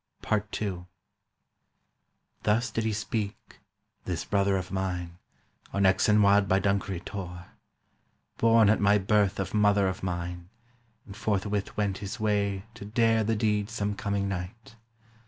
PART II Thus did he speak—this brother of mine— On Exon Wild by Dunkery Tor, Born at my birth of mother of mine, And forthwith went his way To dare the deed some coming night